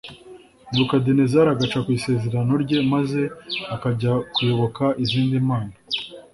nebukadinezari agaca ku isezerano rye, maze akajya kuyoboka izindi mana,